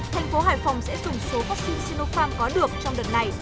tp hcm sẽ dùng số vaccine sinopharm có được trong đợt này